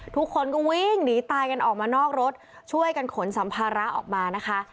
ทุกคนก็วิ่งหนีตายกันออกมานอกรถช่วยกันขนสัมภาระออกมานะคะ